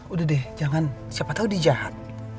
udah deh jangan siapa tahu dia jahat